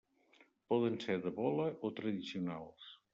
Poden ser de bola o tradicionals.